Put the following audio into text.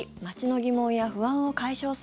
街の疑問や不安を解消